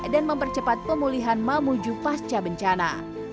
dan mempercepat pemulihan mamuju pasca bencana